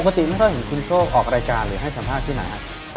ปกติไม่ต้องเห็นคุณโชคออกรายการหรือให้สัมภาษณ์ที่นั่น